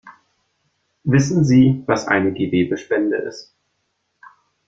Wissen Sie, was eine Gewebespende ist?